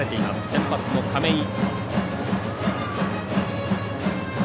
先発の亀井。